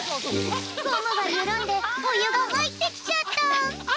ゴムがゆるんでおゆがはいってきちゃった！